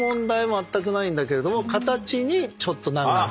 まったくないんだけれども形にちょっと難がある。